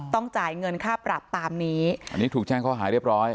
จ่ายเงินค่าปรับตามนี้อันนี้ถูกแจ้งข้อหาเรียบร้อย